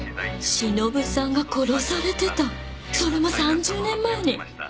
忍さんが殺されてたそれも３０年前に！